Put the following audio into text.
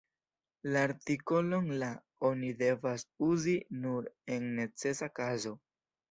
La artikolon "la" oni devas uzi nur en necesa kazo.